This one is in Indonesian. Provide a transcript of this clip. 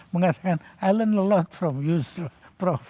mengatakan i learn a lot from you prof